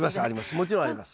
もちろんあります。